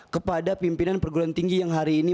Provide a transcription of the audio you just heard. kepada pimpinan perguruan tinggi yang hari ini